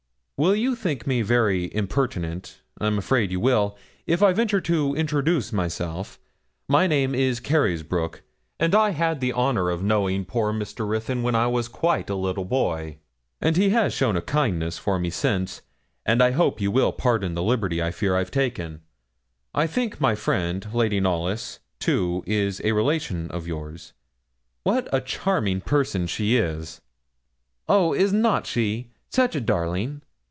Will you think me very impertinent I'm afraid you will if I venture to introduce myself? My name is Carysbroke, and I had the honour of knowing poor Mr. Ruthyn when I was quite a little boy, and he has shown a kindness for me since, and I hope you will pardon the liberty I fear I've taken. I think my friend, Lady Knollys, too, is a relation of yours; what a charming person she is!' 'Oh, is not she? such a darling!'